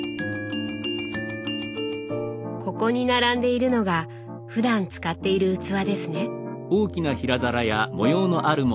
ここに並んでいるのがふだん使っている器ですね。